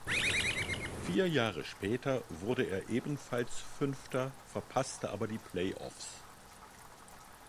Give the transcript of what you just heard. Vier Jahre später wurde er ebenfalls Fünfter, verpasste aber die Playoffs.